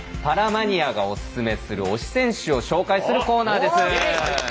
パラマニアがオススメする推し選手を紹介するコーナーです。